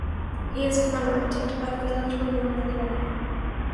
He is commemorated by the village Memorial Hall.